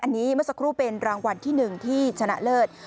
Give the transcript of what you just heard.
อันนี้เมื่อสักครู่เป็นรางวัลที่๑ที่ชนะเลิศ